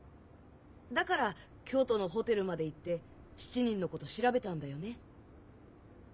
だから京都のホテルまで行って７人のこと調べたんだよね？